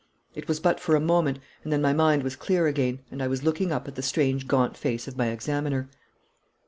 It was but for a moment, and then my mind was clear again, and I was looking up at the strange gaunt face of my examiner.